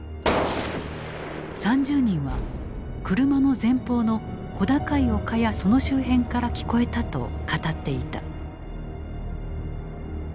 ３０人は車の前方の小高い丘やその周辺から聞こえたと語っていた。